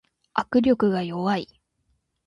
握力が弱い